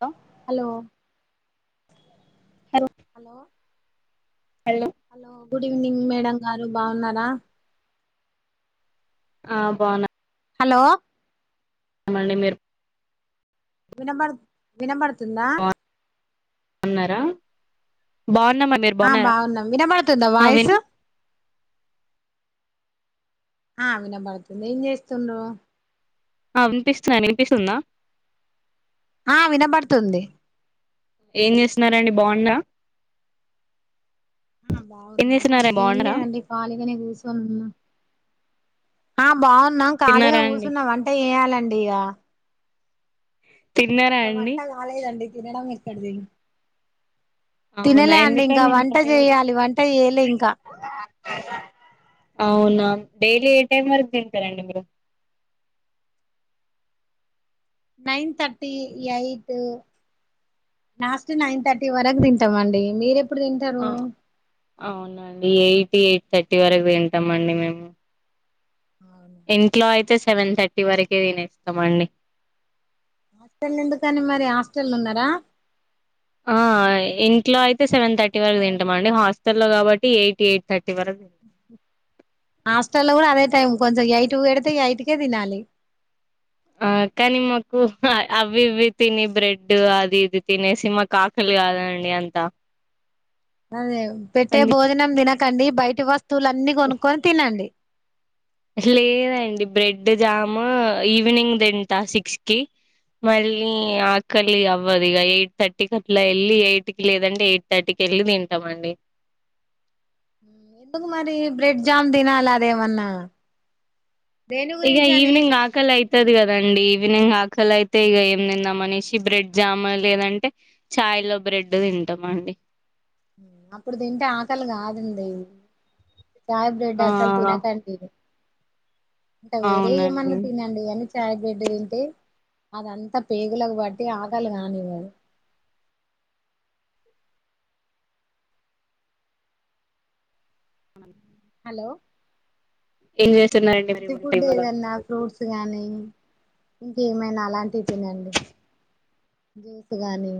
అ hello హల్ hello hello hello good evening madam గారు బాన్నారా ఆ బాన్నా హలో మండె మీరు వినబడు వినబడుతుందా న్నారా బాన్నమండి ఆ బాన్నాం వినబడుతుందా వాయిసు ఆ వినబడుతుంది ఏం చేస్తున్నావ్ ఆ వినిపిస్తుంది వినిపిస్తుందా ఆ వినబడుతుంది ఏం చేస్తున్నారండి బాన్రా ఆ ఏం బాన్నా చేస్తున్నారా ఏం బాగున్నారా లేదండి కలిగానే కూర్చొని ఉన్నా ఆ బావున్నం కాలిగా తిన్నారా అండి కూర్చున్నాం వంట చేయాలండిగ తిన్నారా ఇంకా అండి వంట కాలేదండి తినడం ఎక్కడిది అవునా తినలే అండి ఇంకా ఎందుకండి ఇంత వంట లేట్ చేయాలి వంట చేయలే ఇంకా అవునా డైలీ ఏ టైమ్ వరకు తింటారండి మీరు nine thirty eight last nine thirty వరకు తింటామండి మీరు ఎప్పుడు తింటారు ఆ అవునండి ఎయిట్ ఎయిట్ థర్టీ వరకు తింటామండి మేము అవున్ ఇంట్లో అయితే సెవెన్ థర్టీ వరకే తినేస్తామండి టెన్ ఎందుకు అండి మరి హాస్టలో ఉన్నారా ఆ ఇంట్లో అయితే సెవెన్ థర్టీ వరకు తింటాం అండి హాస్టల్లో కాబట్టి ఎయిట్ ఎయిట్ థర్టీ వరకు హాస్టల్లో కూడా అదే టైం కొంచం ఎయిట్ పెడితే ఎయిటుకే తినాలి ఆ కానీ మాకు అవి ఇవి తిని బ్రెడ్ అది ఇది తినేసి మాకు ఆకలి కాదండి అంతా అదే పెట్టే అందు భోజనం తినకండి బయటి వస్తువులు అన్ని కొనుక్కొని తినండి లేదండి బ్రెడ్ జాము ఈవినింగ్ తింటా సిక్స్కి మళ్ళీ ఆ కలి అవ్వదు ఇగ ఎయిట్ థర్టీకి అట్లా ఎళ్ళి ఎయిట్కి లేదంటే ఎయిట్ థర్టీకి ఎళ్ళి తింటామండి ఎందుకు మరి బ్రెడ్ జామ్ తినాల అది ఏమన్నా ఇక ఈవెనింగా ఆకలి అయితది కదండి ఈవినింగ్ ఆకలి అయితే ఇగ ఏం తిందాం అనేసి బ్రెడ్ జామున్ లేదంటే ఛాయ్లో బ్రెడ్ తింటామండి అప్పుడు తింటే ఆకలి కాదండి చాయ్ బ్రెడ్ ఆ అసలు తినకండి ఇక వేరేవి అవునండి ఏమన్న తిన అ ఇవన్ని చాయ్ బ్రెడ్ తింటే అదంతా పేగులకు బట్టి ఆకలి కానివ్వదు హలో ఏం చేస్తున్నారండి మరి టి వంట ఫుడ్ ఇవాళ ఏదన్నా ఫ్రూట్స్ గానీ ఇంక ఏమైనా అలాంటి తినండి జ్యూస్ గాని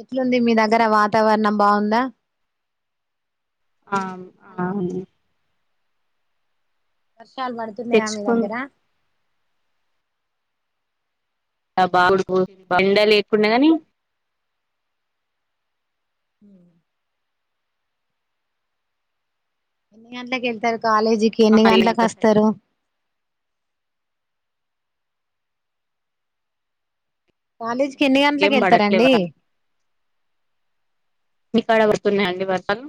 ఎట్లుంది మీ దగ్గర వాతావరణం బాందా ఆమ్ హలో బాగుంది వర్షాలు పడుతున్నాయా మీ దగ్గర తెచ్చుకుంటా ఆ బాగుడు పో ఎండ లేకుండా గాని ఉమ్ ఎన్ని గంటలకు వెళ్తారు కాలేజీకి ఎన్ని గంటలకు వస్తారు కాలేజీకి ఎన్ని ఏం గంటలకు పడట్లే వెళ్తారండి వర్షాలు మీకాడ పడున్నాయండి వర్షాలు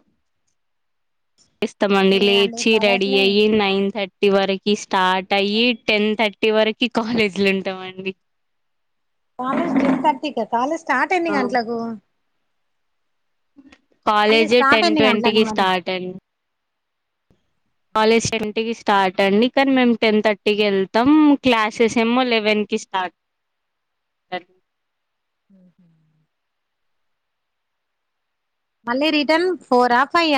వెళ్తామండి లేదండి లేచి రెడీ పడట్లేదు అయ్యి నైన్ థర్ టి చివరికి స్టార్ట్ అయ్యి టెన్ థర్టీ వరకి కాలేజీలో ఉంటామండి కాలేజ్ టెన్ థర్టీ కా కాలేజ్ స్టార్ట్ ఎన్ని గంటలకు కాలేజ్ స్టార్ట్ టెన్ ఎన్ని గంటలకు ట్వంటీకిి మరి స్టార్ట్ అం కాలేజ్ టెన్టీకి స్టార్ట్ అండి కానీ మేము టెన్ థర్టీకి వెళ్తాం క్లాసెస్ ఏమో లెవెన్ కి స్టార్ట్ హహ మళ్ళీ రిటర్న్ ఫోరా ఫైయ్య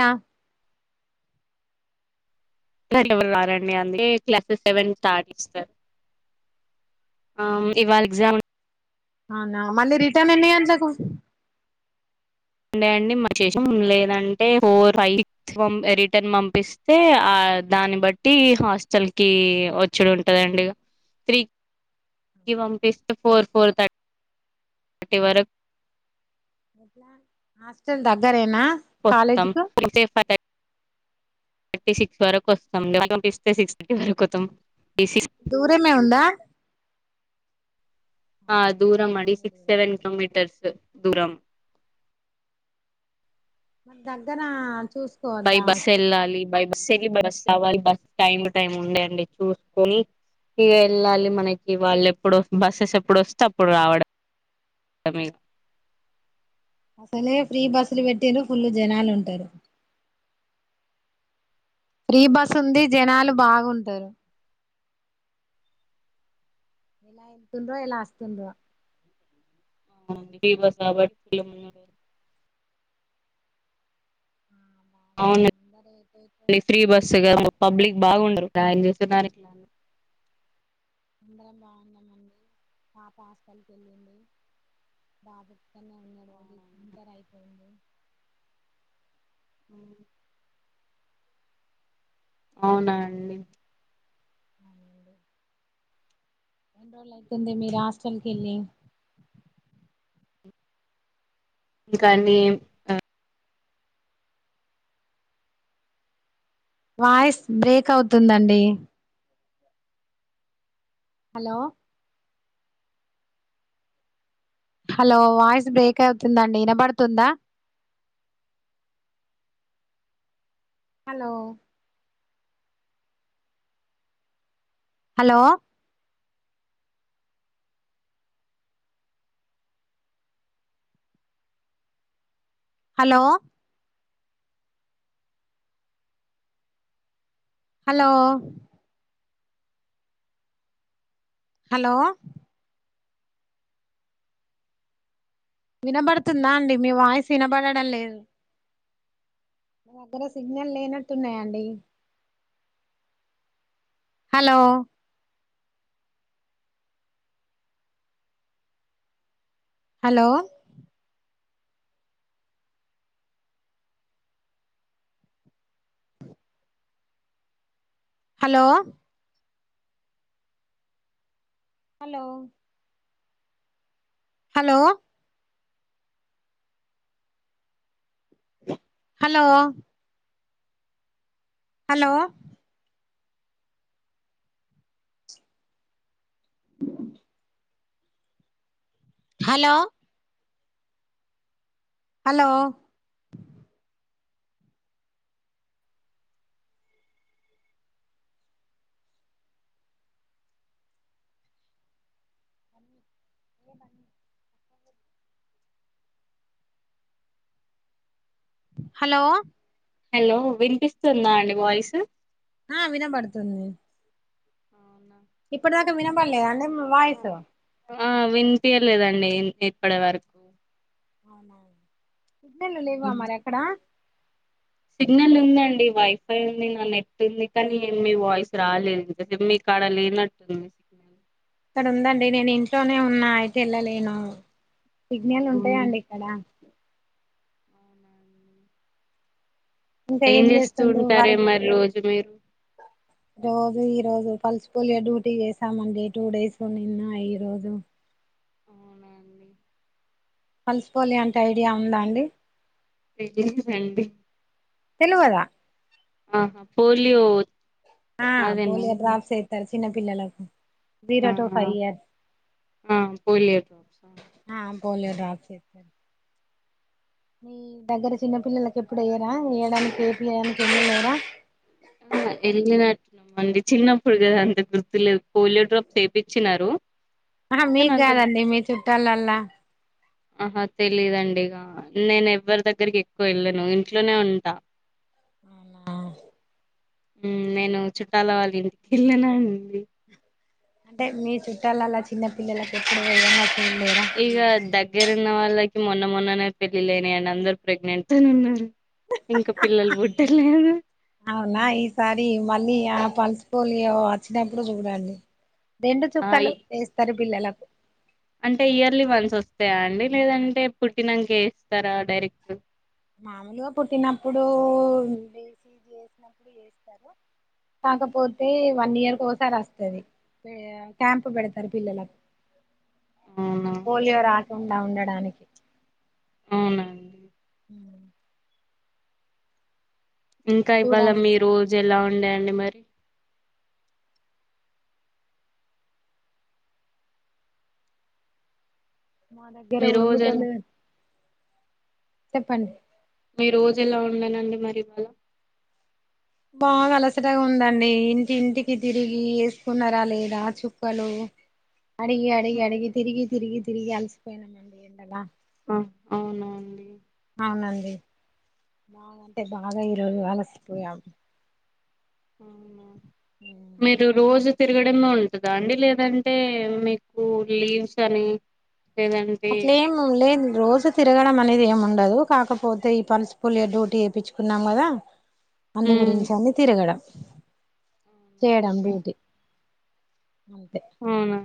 ఎవరు రారండి అందుకే క్లాసెస్ సెవెన్ స్టార్ట్ చేస్తారు అ ఇవాళ ఎగ్జామ్ అవునా మళ్ళీ రిటర్న్ ఎన్ని గంట్లకు ఉండేయండి మా చేేష్నం లేదంటే ఫోర్ ఫై రిటర్న్ పంపిస్తే ఆ దాన్ని బట్టి హాస్టల్ కి వ చ్చడు ఉంటదండి ఇగ త్రీకి పంపిస్తే ఫోర్ ఫోర్ థర్ ట్టి వరక్ హాస్టల్ దగ్గరేనా కోస్తాం కాలేజీకు [unintelligible] థర్టీ సిక్స్ వరకు వస్తాం సిక్స్ థర్టీ వరకు [unintelligible] దూరమే ఉందా ఆ దూరం అడి బానే సిక్స్ దూరం సెవెన్ ఉంది. కిలోమీటర్స్ దూరం దగ్గర చూస్ బై బస్సు వెళ్ళాలి బై బస్ వెళ్ళి బస్సు రవాలి బస్ టైమ్ టైం ఉండయండి చూసుకుల్ ఇగ వెళ్ళాలి మనకి వాళ్ళు ఎప్పుడు బస్సెస్ ఎప్పుడు వస్తే అప్పుడు రావడం తమీ అసలే ఫ్రీ బస్సులు పెట్టిల్లు ఫుల్లు జనాలు ఉంటారు ఫ్రీ బస్ ఉంది జనాలు బాగుంటారు ఇలా వెల్తుండ్రో ఇలా వాస్తుతుండ్రు అవును ఫ్రీ బస్ కాబట్టి మంది అవును అందరు ఎటో ఎటో ఫ్రీ బస్సుగా పబ్లిక్ బాగుంటరు [unintelligible] అందరం బాగున్నామండి పాప హాస్టల్కి వెళ్ళింది బాబు ఇక్కన్నే ఇంటర్ అయిపోఇంది అ అవునా అండి ఎన్ని రోజులు అయితుంది మీరు హస్టల్ కి వెళ్ళి ఇంకా నెం వాయిస్ బ్రేక్ అవుతుందండి హలో హలో వాయిస్ బ్రేక్ అవుతుందండి వినబడుతుందా hello hello hello hello hello వినబడుతుందా అండి మీ వాయిసు వినబడడం లేదు దగ్గర సిగ్నల్ లేనట్టున్నాయాండి hello hello hello hello hello hello hello ఉ హలో హలో ఏమన్న హలో హలో వినిపిస్తుందా అండి వాయిస్ ఆ వినబడుతుంది అవునా ఇప్పుటిదక వినబాడలేద అండి వాయిస్ ఆ వినిపయలేదండి ఇప్పటి వరకు అవున సిగ్నల్లు లేవా ఉమ్. మరి అక్కడ సిగ్నల్ ఉందండి. వైఫై ఉంది నా నెట్ ఉంది. కానీ ఏ మీ వాయిస్ రాలేదు ఇంక మీ మీ కడ లేనట్టుంది. బ ఇక్కడ ఉందండి. నేను ఇంట్లోనే ఉన్నా అయితే వెళ్ళలేను సిగ్నల్ అవును. ఉంటాయాండి. ఇక్కడ అవునా అండి. ఇంకా ఏం చేస్తూ చేస్తుండ్రు ఉంటారే వర్క్ మరి రోజు మీరు రోజు ఈ రోజు పల్స్ పొలియో డ్యూటీ చేసామండి టూ డేస్ నిన్న ఈ రోజు అవున అండి పల్స్ పోలియే అంటే ఐడియా ఉందా అండి [unintelligible] తెలువదా ఆహా పోలియో ఆ అదేనా పోలియో డ్రాప్స్ ఎత్తరు చిన్న పిల్లలకు ఆ జీరో టు ఫైవ్ ఇయర్స్ ఆ పోలియో డ్రాప్స్ ఆ పోలియో డ్రాప్స్ ఎత్తారు మీ దగ్గర చిన్న పిల్లలకి ఎప్పుడు వేయరా వేయడానికి ఏపీయడానికి ఎవరు లేరా ఆ ఎల్లి నాటి మళ్ళీ చిన్నప్పుడు కదా అంత గుర్తులేదు పోలియో డ్రాప్స్ ఏపీచ్చినారు ఆ మీకు కాదండి మీ చుట్టాలల్ల ఆహా తెలీయాదండి ఇగా నేను ఎవ్వరి దగ్గరికి ఎక్కువ వెళ్ళను ఇంట్లనే ఉంటా నేను చుట్టాలవ్వాలింటికేల్లినా అండి అంటే మీ చుట్టాలల్ల చిన్న పిల్లలలకు ఎప్పుడు వేయన్నా చూడ లేరా ఇక దగ్గర ఉన్న వాళ్ళకి మొన్న మొన్ననే పెళ్ళిళ్ళు అయినాయి అండి. అందరు ప్రెగ్నెంట్ తోనే ఉన్నారు. ఇంకా పిల్లలు బుట్ట లేదు అవునా ఈసారి మళ్ళీ ఆ పల్స్ పోలియో వచ్చినప్పుడు చూడండి రెండు ఆ చూక్కలు వేస్తారు పిల్లలకు అంటే ఇయర్లీ వన్స్ వస్తాయా అండి. లేదంటే పుట్టినంకే ఏస్తారా డైరెక్ట్ మామూలుగా పుట్టినప్పుడు వేసి చేసినప్పుడు చేస్తారు కాకపోతే వన్ ఇయర్కు ఒకసారి వస్తది క్యాంప్ పెడతారు పిల్లల అవునా ఈ పోలియో రాకుండా ఉండడానికి అవునం ఉ ఇంకా ఇవాల చూడండి మీ రోజు ఎలా ఉండేయండి మరి మా దగ్గర మీ రోజు ఉరుముతంద ఎలా చెప్పండి మీ రోజు ఎలా ఉండనండి మరి ఇవాళ బాగా అలసటగా ఉందండి ఇంటి ఇంటికి తిరిగి ఏసుకున్నారా లేదా చుక్కలు అడిగి అడిగి హ్మ్. అడిగి తిరిగి తిరిగి తిరిగి అలసిపోయినామండి ఎండలా ఆ అవునండి అవునండి బాగా అంటే బాగా ఈరోజు అలసిపోయాము అవునా ఉ మీరు రోజు తిరగడమే ఉంటదా అండి లేదంటే మీకు లీవ్స్ అని లేేదం అట్లెం లేదు రోజు తిరగడం అనేది ఏమి ఉండదు కాకపోతే ఈ పల్సుపులియ డ్యూటీ వేయించుకున్నాం కదా అందు ఉమ్ గురించ అన్ని తిరగడం చేయడం డ్యూటీ అంతే అవునా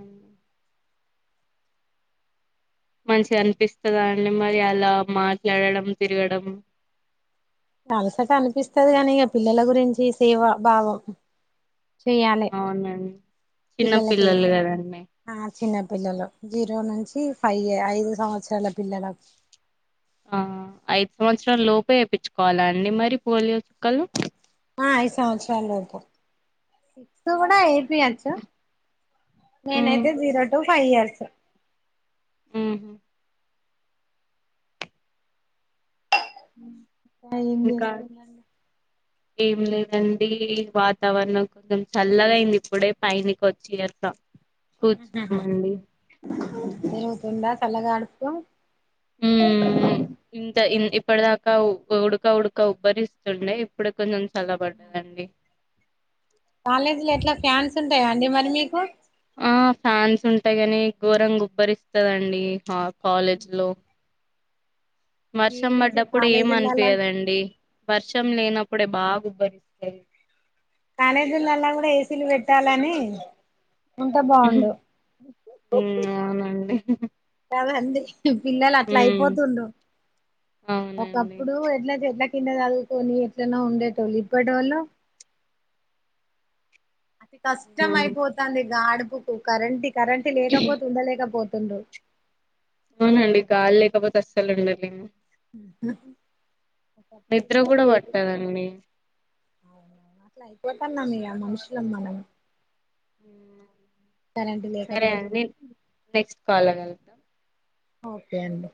మంచిగా అనిపిస్తాదా అండి మరి అలా మాట్లాడడం తిరగడం అలసట అనిపిస్తది కాని ఆ పిల్లల గురించి సేవ భావం చేయాలి అవునండి చిన్న పిల్లలకి పిల్లలు కదండి ఆ చిన్న పిల్లలు జీరో నుంచి ఫైవ్ ఏ ఐదు సంవత్సరాల పిల్లల ఆ ఐదు సంవత్సరాలులోపే వేపించుకోవాలా అండి మరి పోలియో చుక్కలు ఆ ఐదు సంవత్సరాల లోపు కూడా ఎయి తీయర్స్ ఉమ్ నేనైతే జీరో టు ఫైవ్ ఇయర్స్ ఉ ఏం ఇంకా జెస్తున్న ఏం లేదండి వాతావరణం కొంచెం చల్లగా అయింది ఇప్పుడే పైనికి వచ్చిత్త ఏవుతుందా చల్లగా ఆడుతూ అ ఉమ్ ఇంత ఇప్పటి దాకా ఉడక ఉడక ఉబ్బరిస్తుండే ఇప్పుడు కొం చల్ల బడండి కాలేజీలో ఎట్లా ఫ్యాన్స్ ఉంటాయా అండి మరి మీకు ఆ ఫ్యాన్స్ ఉంటాయి కాని ఘోరంగుబ్బరి ఇస్తదండి హాప్ కాలేజ్లో మీ వర్షం గురించి పడ్డప్పుడు ఏమి కాలేజీలలా అనిపియదండి వర్షం లేనప్పుడే బాగా గుబ్బరిస్త కాలేజీలల్లా కూడా ఏసీలు పెట్టాలని ఉంటే బాగుండు ఉమ్ అవునండి కద అంది పిల్లలు అట్లా ఉమ్ అయిపోతుండవు అవునండి ఒకప్పుడు ఎట్ల ఎట్లా కింద చదువుకొని ఎట్లనా ఉండేటోళ్ళు ఇప్పటోలు అతి కష్టం ఉమ్ అయిపోతాంది గడుపుకు కరంటి కరెంటే లేకపోతే ఉండలేకపోతుండ్రు అవునండి గాలి లేకపోతే అస్సలు ఉండలేము ఊహు నిద్ర కూడ పట్టదండి అట్ల అయిపోతన్నాం మీ ఆ మనుషులం మనం కరెంట్ సరే లేకపోతుండ అండి నెక్స్ట్ కాల్లో కలు ఓకే అండి.